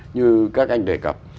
như các anh đề cập